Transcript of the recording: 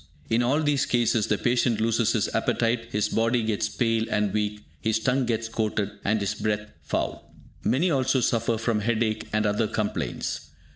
In all these cases, the patient loses his appetite, his body gets pale and weak, his tongue gets coated, and his breath foul. Many also suffer from headache and other complaints.